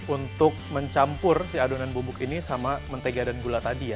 untuk mencampur si adonan bubuk ini sama mentega dan gula tadi ya